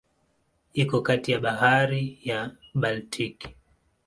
Iko kati ya Bahari ya Baltiki.